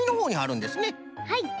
はい。